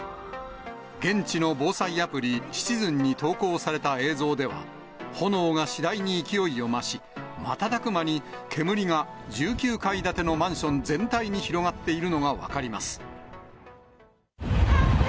現地の防災アプリ、シチズンに投降された映像では、炎が次第に勢いを増し、瞬く間に煙が１９階建てのマンション全体に広がっているのが分かります。